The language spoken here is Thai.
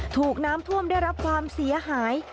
ถูกน้ำท่วมได้รับความเสียหาย